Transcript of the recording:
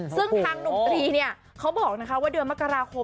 ซึ่งทางหนุ่มตรีเนี่ยเขาบอกว่าเดือนมกราคม